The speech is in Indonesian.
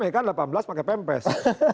ya kan delapan belas pakai pempes